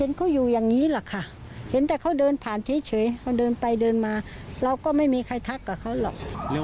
อยู่อย่างนี้แหละค่ะเห็นแต่เขาเดินผ่านเฉยเขาเดินไปเดินมาเราก็ไม่มีใครทักกับเขาหรอก